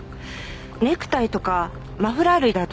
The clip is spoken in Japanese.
ネクタイとかマフラー類だと思います。